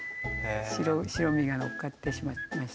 白身がのっかってしまいました。